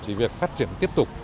chỉ việc phát triển tiếp tục